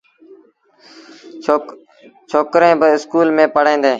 ڇوڪريݩ با اسڪول ميݩ پڙوهيݩ ديٚݩ ۔